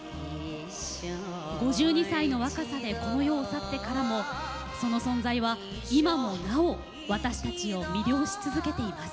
５２歳の若さでこの世を去ってからもその存在は今もなお私たちを魅了し続けています。